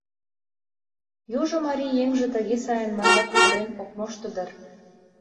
Южо марий еҥже тыге сайын марла кутырен ок мошто дыр.